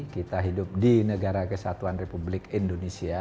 kita hidup di negara kesatuan republik indonesia